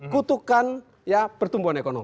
kutukan ya pertumbuhan ekonomi